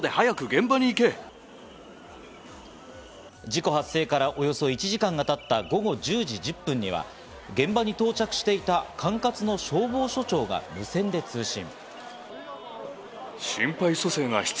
事故発生からおよそ１時間がたった午後１１時１０分には現場に到着していた管轄の消防署長が無線で通信。